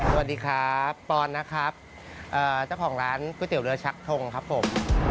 สวัสดีครับปอนนะครับเจ้าของร้านก๋วยเตี๋ยเรือชักทงครับผม